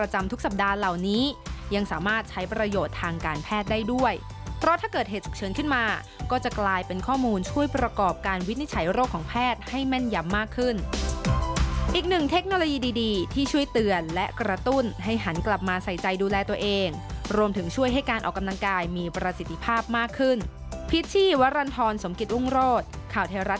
เหล่านี้ยังสามารถใช้ประโยชน์ทางการแพทย์ได้ด้วยเพราะถ้าเกิดเหตุฉุกเฉินขึ้นมาก็จะกลายเป็นข้อมูลช่วยประกอบการวินิจฉัยโรคของแพทย์ให้แม่นยำมากขึ้นอีกหนึ่งเทคโนโลยีดีดีที่ช่วยเตือนและกระตุ้นให้หันกลับมาใส่ใจดูแลตัวเองรวมถึงช่วยให้การออกกำลังกายมีประสิทธิภาพมากขึ้น